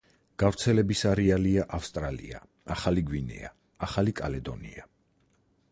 გავრცელების არეალია ავსტრალია, ახალი გვინეა, ახალი კალედონია.